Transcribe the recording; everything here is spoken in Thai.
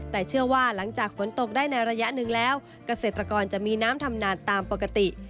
แต่เชื่อว่าหลังจากฝนตกได้ในระยะหนึ่งแล้วเกษตรกรจะมีน้ำทำนานตามปกติ